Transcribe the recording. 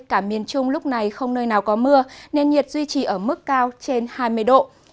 cả miền trung lúc này không nơi nào có mưa nên nhiệt duy trì ở mức cao trên hai mươi độ